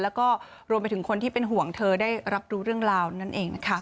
แล้วก็รวมไปถึงคนที่เป็นห่วงเธอได้รับรู้เรื่องราวนั่นเองนะคะ